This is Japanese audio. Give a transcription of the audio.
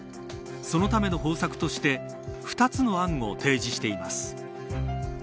そのための方策として２つの案を提示しています。